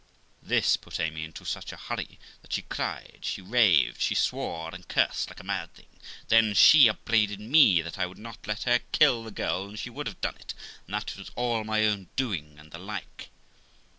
This put Amy into such a hurry that she cried, she raved, she swore and cursed like a mad thing; then she upbraided me that I would not let her kill the girl when she would have done it, and that it was all my own doing, and the like.